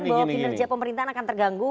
bahwa kinerja pemerintahan akan terganggu